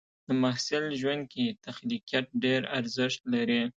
د محصل ژوند کې تخلیقيت ډېر ارزښت لري.